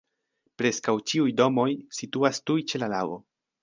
Preskaŭ ĉiuj domoj situas tuj ĉe la lago.